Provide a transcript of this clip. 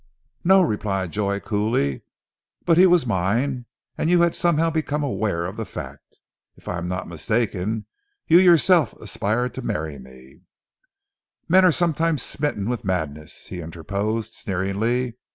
"No," replied Joy coolly, "but he was mine, and you had somehow become aware of the fact. If I am not mistaken, you yourself aspired to marry me " "Men are sometimes smitten with madness," he interposed sneeringly.